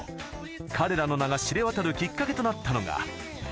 彼らの名が知れ渡るきっかけとなったのが。